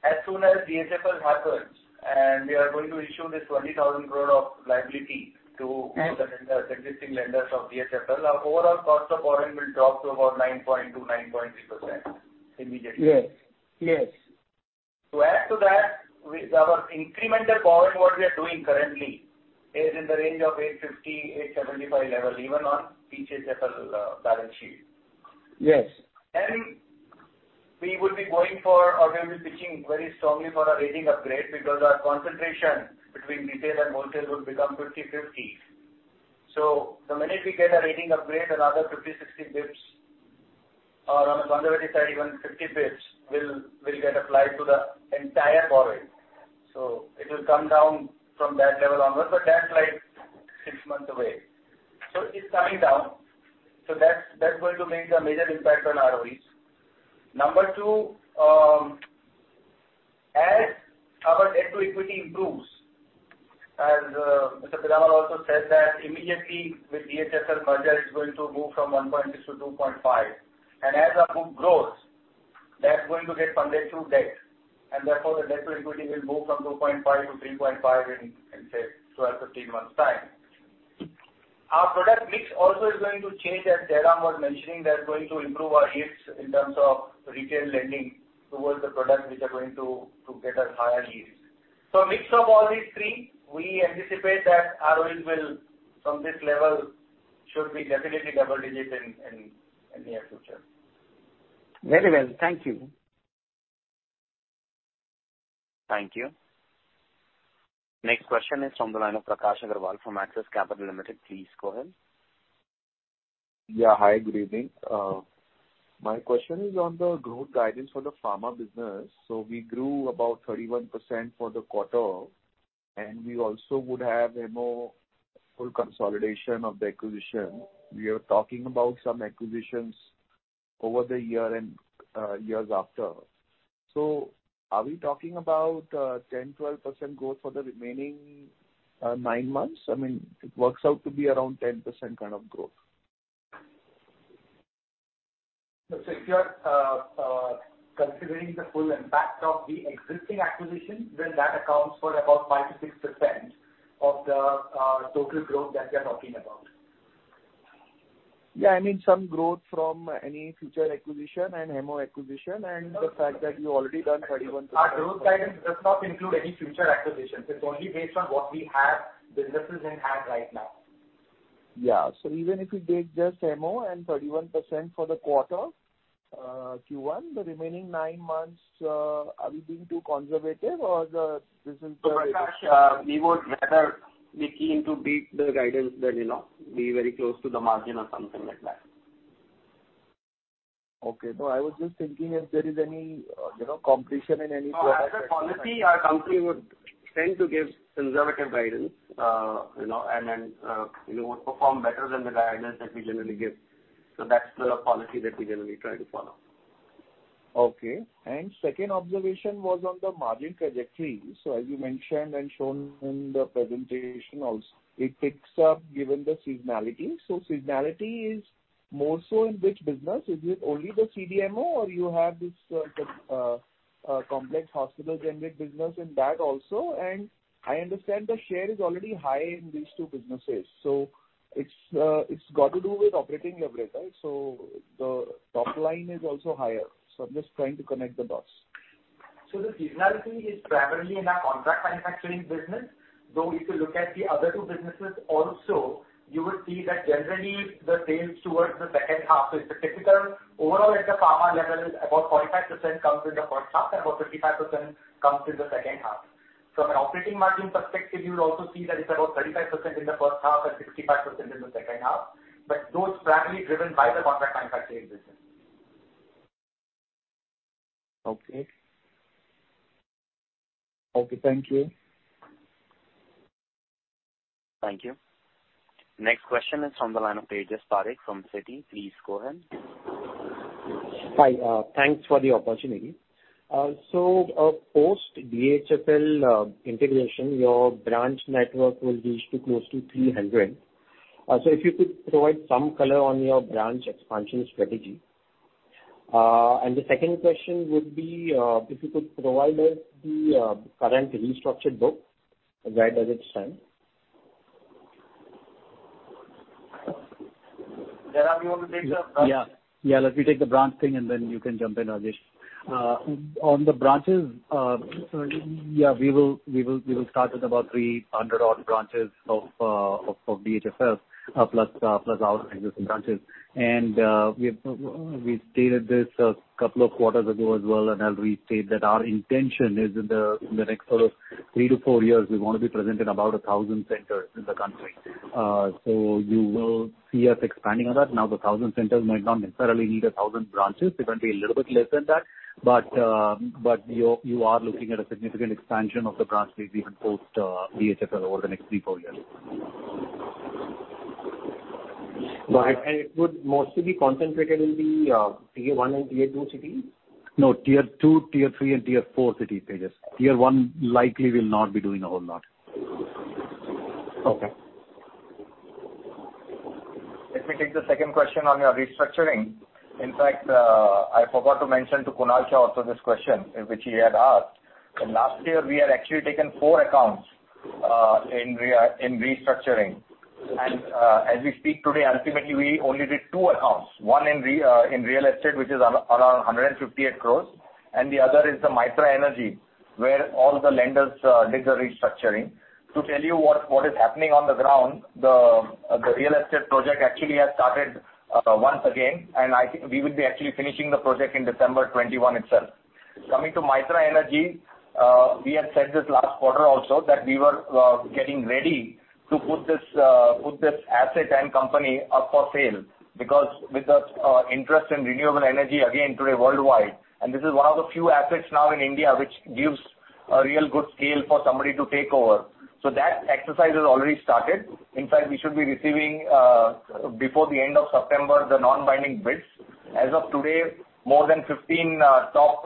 S5: As soon as DHFL happens and we are going to issue this 20,000 crore of liability to the existing lenders of DHFL, our overall cost of borrowing will drop to about 9.2, 9.3% immediately.
S12: Yes.
S5: To add to that, with our incremental borrowing what we are doing currently is in the range of 850-875 level even on DHFL balance sheet.
S12: Yes.
S5: We will be going for or we will be pitching very strongly for a rating upgrade because our concentration between retail and wholesale will become 50/50. The minute we get a rating upgrade another 50, 60 basis points or on a conservative side even 50 basis points will get applied to the entire borrowing. It will come down from that level onwards, but that's like six months away. It's coming down. That's going to make a major impact on ROEs. Number two, as our debt to equity improves and Mr. Piramal also said that immediately with DHFL merger it's going to move from 1.6 to 2.5. As our book grows, that's going to get funded through debt and therefore the debt to equity will move from 2.5 to 3.5 in, say, 12, 15 months time. Our product mix also is going to change as Jairam was mentioning that's going to improve our yields in terms of retail lending towards the products which are going to get us higher yields. Mix of all these three, we anticipate that our yield will from this level should be definitely double-digit in near future.
S12: Very well. Thank you.
S1: Thank you. Next question is from the line of Prakash Agarwal from Axis Capital Limited. Please go ahead.
S13: Hi, good evening. My question is on the growth guidance for the pharma business. We grew about 31% for the quarter and we also would have full consolidation of the acquisition. We are talking about some acquisitions over the year and years after. Are we talking about 10%-12% growth for the remaining nine months? I mean, it works out to be around 10% kind of growth.
S8: If you are considering the full impact of the existing acquisition, that accounts for about 5%-6% of the total growth that we are talking about.
S13: Yeah, I mean, some growth from any future acquisition and Hemmo acquisition, and the fact that you already done 31%.
S8: Our growth guidance does not include any future acquisitions. It is only based on what we have, businesses in hand right now.
S13: Yeah. Even if you take just Hemmo and 31% for the quarter Q1, the remaining nine months, are we being too conservative or the business-
S8: Prakash, we would rather be keen to beat the guidance than be very close to the margin or something like that.
S13: Okay. No, I was just thinking if there is any completion.
S8: No, as a policy, our company would tend to give conservative guidance, and then we perform better than the guidance that we generally give. That's the policy that we generally try to follow.
S13: Okay. Second observation was on the margin trajectory. As you mentioned and shown in the presentation also, it ticks up given the seasonality. Seasonality is more so in which business? Is it only the CDMO or you have this complex hospital-generics business in that also? I understand the share is already high in these two businesses, so it's got to do with operating leverage. The top line is also higher. I'm just trying to connect the dots.
S8: The seasonality is primarily in our contract manufacturing business, though if you look at the other two businesses also, you will see that generally the sales towards the second half. It's a typical overall at the pharma level, about 45% comes in the first half and about 55% comes in the second half. From an operating margin perspective, you'll also see that it's about 35% in the first half and 65% in the second half. Those are primarily driven by the contract manufacturing business.
S13: Okay, thank you.
S1: Thank you. Next question is from the line of Tejas Parekh from Citi. Please go ahead.
S14: Hi. Thanks for the opportunity. Post DHFL integration, your branch network will reach to close to 300. If you could provide some color on your branch expansion strategy. The second question would be, if you could provide us the current restructured book, where does it stand?
S8: Jairam, you want to take the branch?
S9: Yeah. Let me take the branch thing and then you can jump in, Rajesh. On the branches, yeah, we will start with about 300 odd branches of DHFL, plus our existing branches. We stated this two quarters ago as well, and I'll restate that our intention is in the next sort of three to four years, we want to be present in about 1,000 centers in the country. You will see us expanding on that. Now, the 1,000 centers might not necessarily need 1,000 branches. It might be a little bit less than that. You are looking at a significant expansion of the branch even post DHFL over the next three, four years.
S14: It would mostly be concentrated in the tier 1 and tier 2 cities?
S9: No, tier 2, tier 3 and tier 4 cities, Tejas. Tier 1 likely will not be doing a whole lot.
S14: Okay.
S5: Let me take the second question on your restructuring. In fact, I forgot to mention to Kunal Shah also this question, which he had asked. Last year, we had actually taken four accounts in restructuring. As we speak today, ultimately, we only did two accounts. One in real estate, which is around 158 crores, and the other is the Mytrah Energy, where all the lenders did the restructuring. To tell you what is happening on the ground, the real estate project actually has started once again, and we will be actually finishing the project in December 2021 itself. Coming to Mytrah Energy, we had said this last quarter also that we were getting ready to put this asset and company up for sale because with the interest in renewable energy again today worldwide, and this is one of the few assets now in India which gives a real good scale for somebody to take over. That exercise has already started. In fact, we should be receiving, before the end of September, the non-binding bids. As of today, more than 15 top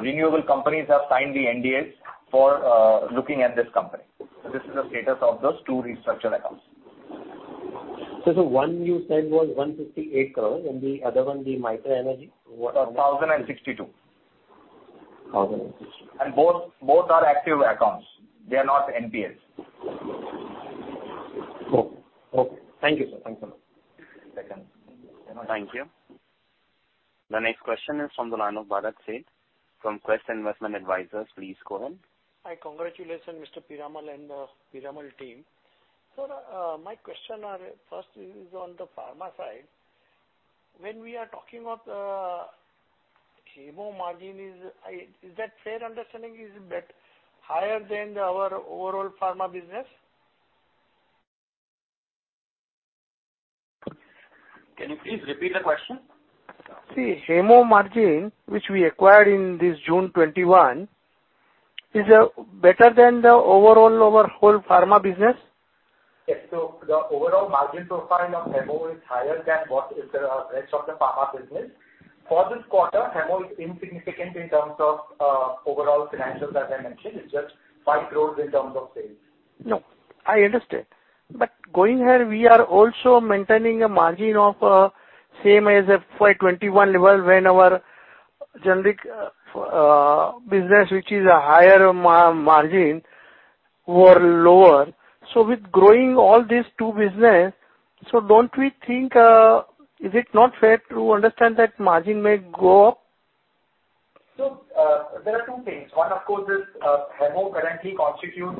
S5: renewable companies have signed the NDAs for looking at this company. This is the status of those two restructure accounts.
S14: The one you said was 158 crores, and the other one, the Mytrah Energy.
S5: 1,062.
S14: 1,062.
S5: Both are active accounts. They are not NPLs.
S14: Okay. Thank you, sir.
S8: Thank you.
S1: Thank you. The next question is from the line of Bharat Sheth from Quest Investment Advisors. Please go ahead.
S15: Hi, congratulations, Mr. Piramal and the Piramal team. Sir, my question first is on the pharma side. When we are talking of Hemmo margin, is that fair understanding is that higher than our overall pharma business?
S8: Can you please repeat the question?
S15: See, Hemmo margin, which we acquired in this June 2021, is better than the overall our whole pharma business?
S8: Yes. The overall margin profile of Hemmo is higher than what is the rest of the pharma business. For this quarter, Hemmo is insignificant in terms of overall financials as I mentioned. It's just INR 5 crores in terms of sales.
S15: No, I understand. Going ahead, we are also maintaining a margin of same as FY2021 level when our generic business, which is a higher margin, were lower. With growing all these two business, is it not fair to understand that margin may go up?
S8: There are two things. One, of course, is Hemmo currently constitutes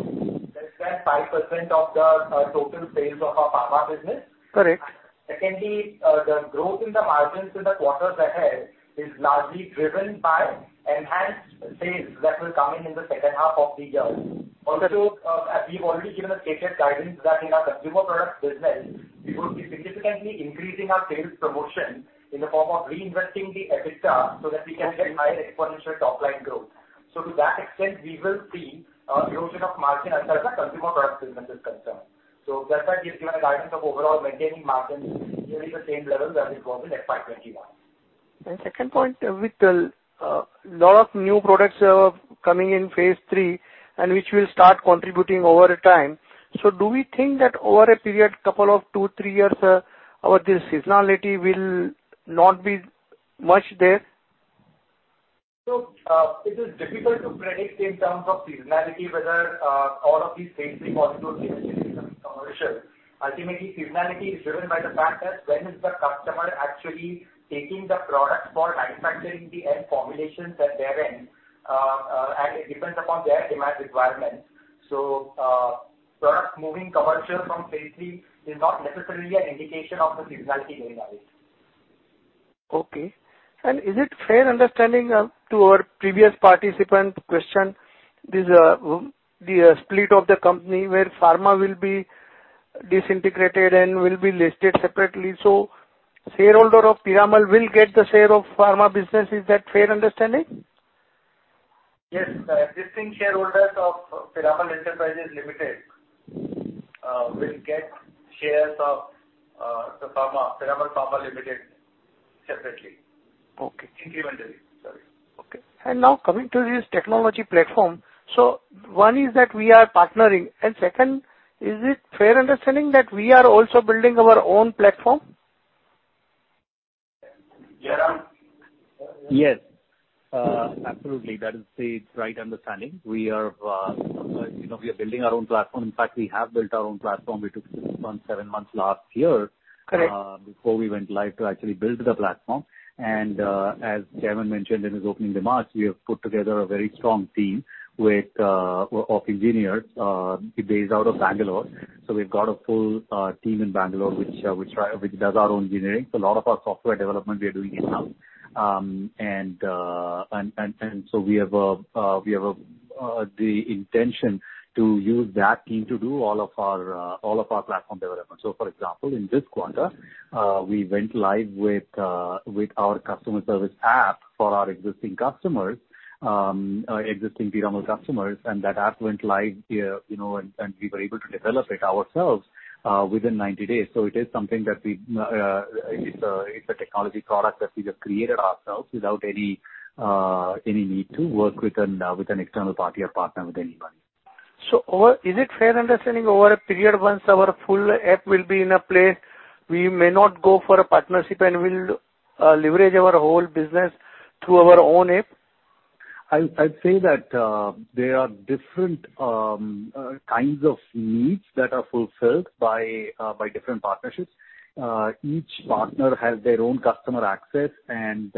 S8: less than 5% of the total sales of our pharma business.
S15: Correct.
S8: Secondly, the growth in the margins in the quarters ahead is largely driven by enhanced sales that will come in the second half of the year. Also, we've already given a stated guidance that in our consumer products business, we will be significantly increasing our sales promotion in the form of reinvesting the EBITDA so that we can get higher exponential top-line growth. To that extent, we will see erosion of margin as far as our consumer product business is concerned. That's why we've given a guidance of overall maintaining margins nearly the same level that we've got in FY2021.
S15: Second point, with a lot of new products coming in phase III and which will start contributing over time, do we think that over a period couple of two, three years, our seasonality will not be much there?
S8: It is difficult to predict in terms of seasonality whether all of these phase III portfolios will become commercial. Ultimately, seasonality is driven by the fact that when is the customer actually taking the product for manufacturing the end formulations at their end, and it depends upon their demand requirements. Products moving commercial from phase III is not necessarily an indication of the seasonality going away.
S15: Okay. Is it fair understanding to our previous participant question, the split of the company where pharma will be disintegrated and will be listed separately? Shareholder of Piramal will get the share of pharma business. Is that fair understanding?
S8: Yes. The existing shareholders of Piramal Enterprises Limited will get shares of Piramal Pharma Limited separately.
S15: Okay.
S8: Incrementally. Sorry.
S15: Okay. Now coming to this technology platform. One is that we are partnering, and second, is it fair understanding that we are also building our own platform?
S8: Jairam?
S9: Yes. Absolutely. That is the right understanding. We are building our own platform. In fact, we have built our own platform. We took 6 or 7 months last year.
S15: Correct
S9: before we went live to actually build the platform. As Jairam mentioned in his opening remarks, we have put together a very strong team of engineers based out of Bangalore. We've got a full team in Bangalore, which does our own engineering. A lot of our software development we are doing in-house. We have the intention to use that team to do all of our platform development. For example, in this quarter, we went live with our customer service app for our existing Piramal customers, and that app went live, and we were able to develop it ourselves within 90 days. It's a technology product that we have created ourselves without any need to work with an external party or partner with anybody.
S15: Is it fair understanding over a period, once our full app will be in a place, we may not go for a partnership and we'll leverage our whole business through our own app?
S9: I'd say that there are different kinds of needs that are fulfilled by different partnerships. Each partner has their own customer access and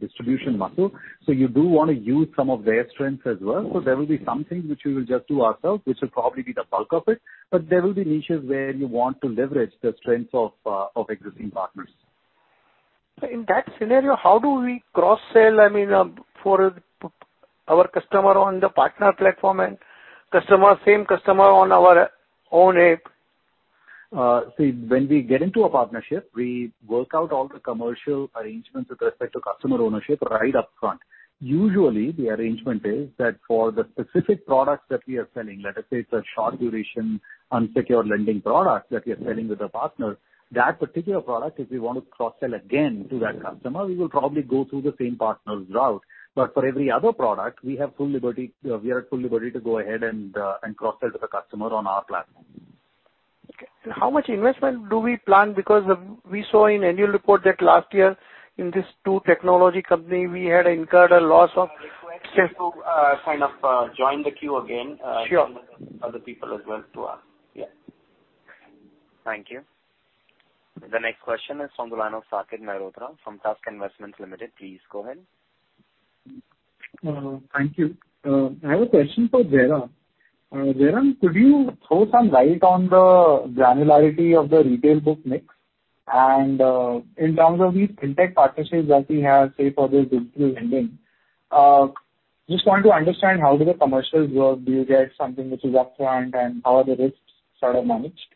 S9: distribution muscle. You do want to use some of their strengths as well. There will be some things which we will just do ourselves, which will probably be the bulk of it, but there will be niches where you want to leverage the strengths of existing partners.
S15: In that scenario, how do we cross-sell, I mean, for our customer on the partner platform and same customer on our own app?
S9: See, when we get into a partnership, we work out all the commercial arrangements with respect to customer ownership right upfront. Usually, the arrangement is that for the specific products that we are selling, let us say it's a short duration, unsecured lending product that we are selling with a partner. That particular product, if we want to cross-sell again to that customer, we will probably go through the same partner's route. For every other product, we are at full liberty to go ahead and cross-sell to the customer on our platform.
S15: Okay. How much investment do we plan? We saw in annual report that last year in this two technology company, we had incurred a loss.
S8: I request you to kind of join the queue again.
S15: Sure.
S8: Other people as well to ask. Yeah.
S1: Thank you. The next question is from the line of Saket Mehrotra from Tusk Investments Limited. Please go ahead.
S16: Thank you. I have a question for Jairam. Jairam, could you throw some light on the granularity of the retail book mix? In terms of these fintech partnerships that we have, say, for this digital lending, just want to understand how do the commercials work. Do you get something which is upfront and how are the risks sort of managed?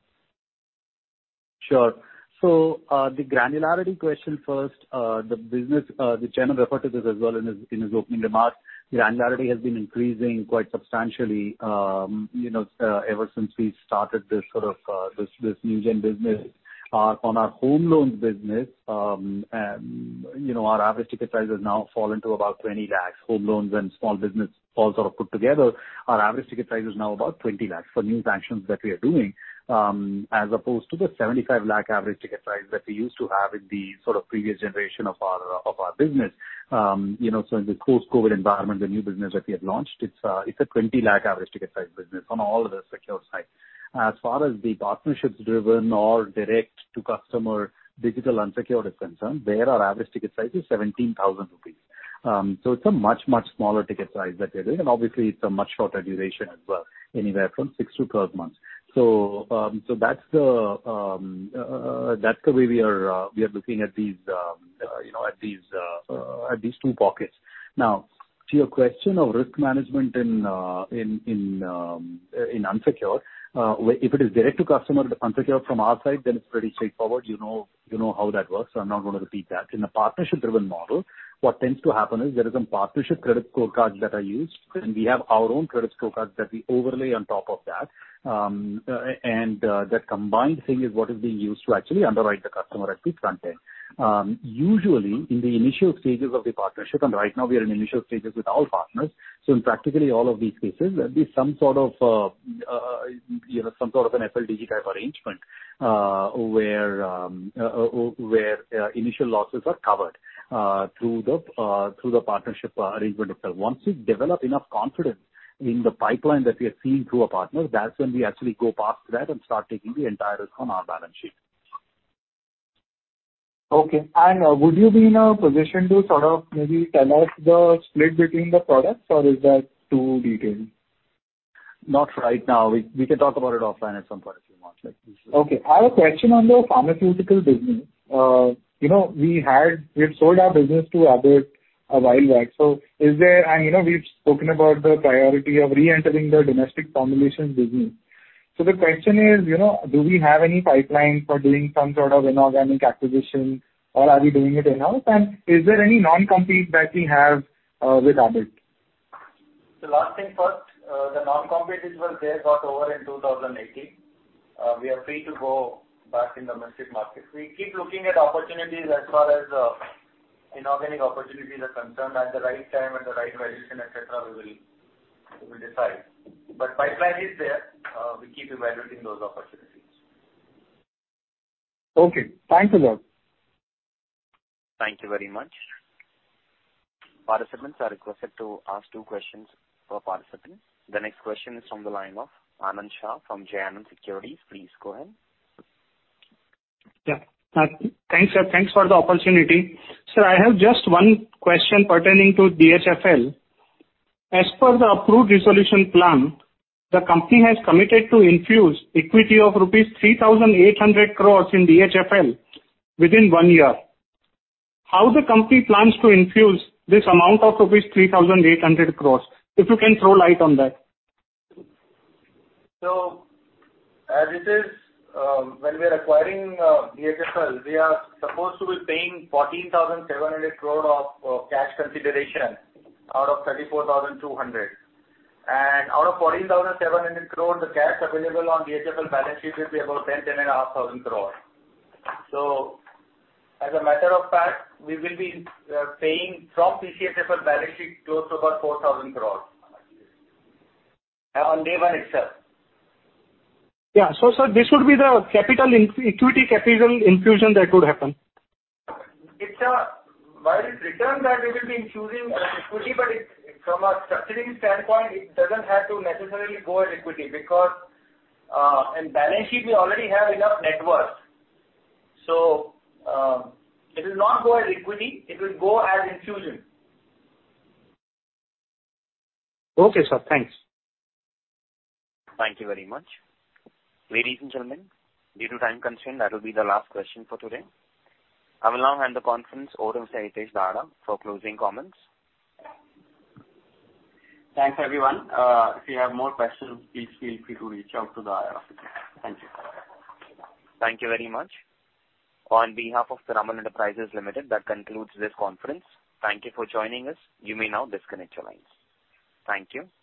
S9: Sure. The granularity question first. The chairman referred to this as well in his opening remarks. Granularity has been increasing quite substantially ever since we started this new-gen business. On our home loans business, our average ticket size has now fallen to about INR 20 lakhs. Home loans and small business put together, our average ticket size is now about INR 20 lakhs for new sanctions that we are doing, as opposed to the INR 75 lakh average ticket size that we used to have in the previous generation of our business. In the post-COVID environment, the new business that we have launched, it's a INR 20 lakh average ticket size business on all of the secure side. As far as the partnerships-driven or direct-to-customer digital unsecured is concerned, there our average ticket size is INR 17,000. It's a much, much smaller ticket size that we are doing, obviously it's a much shorter duration as well, anywhere from 6-12 months. To your question of risk management in unsecured, if it is direct-to-customer unsecured from our side, then it's pretty straightforward. You know how that works. I'm not going to repeat that. In a partnership-driven model, what tends to happen is there is some partnership credit cards that are used, and we have our own credit cards that we overlay on top of that, and that combined thing is what is being used to actually underwrite the customer at the front end. Usually, in the initial stages of the partnership, and right now we are in initial stages with all partners, so in practically all of these cases, there'll be some sort of an FLDG type arrangement where initial losses are covered through the partnership arrangement itself. Once we develop enough confidence in the pipeline that we are seeing through a partner, that's when we actually go past that and start taking the entire risk on our balance sheet.
S16: Okay. Would you be in a position to maybe tell us the split between the products, or is that too detailed?
S9: Not right now. We can talk about it offline at some point if you want.
S16: Okay. I have a question on the pharmaceutical business. We had sold our business to Abbott a while back. We've spoken about the priority of re-entering the domestic formulations business. The question is, do we have any pipeline for doing some sort of inorganic acquisition, or are we doing it in-house? Is there any non-compete that we have with Abbott?
S5: Last thing first, the non-compete which was there got over in 2018. We are free to go back in the domestic markets. We keep looking at opportunities as far as inorganic opportunities are concerned. At the right time, at the right valuation, et cetera, we will decide. Pipeline is there. We keep evaluating those opportunities.
S16: Okay. Thanks a lot.
S1: Thank you very much. Participants are requested to ask two questions per participant. The next question is from the line of Anand Shah from Jai Anand Securities. Please go ahead.
S17: Thanks for the opportunity. Sir, I have just one question pertaining to DHFL. As per the approved resolution plan, the company has committed to infuse equity of rupees 3,800 crores in DHFL within one year. How the company plans to infuse this amount of rupees 3,800 crores? If you can throw light on that.
S5: As it is, when we are acquiring DHFL, we are supposed to be paying 14,700 crore of cash consideration out of 34,200. Out of 14,700 crore, the cash available on DHFL balance sheet will be about 10,000 crore-10,500 crore. As a matter of fact, we will be paying from PCHFL balance sheet close to about INR 4,000 crore on day one itself.
S17: Yeah. Sir, this would be the equity capital infusion that would happen.
S5: While it is written that we will be infusing equity, from a structuring standpoint, it doesn't have to necessarily go as equity because in balance sheet we already have enough net worth. It will not go as equity. It will go as infusion.
S17: Okay, sir. Thanks.
S1: Thank you very much. Ladies and gentlemen, due to time constraint, that will be the last question for today. I will now hand the conference over to Hitesh Dhaddha for closing comments.
S2: Thanks, everyone. If you have more questions, please feel free to reach out to the IR office. Thank you.
S1: Thank you very much. On behalf of Piramal Enterprises Limited, that concludes this conference. Thank you for joining us. You may now disconnect your lines. Thank you.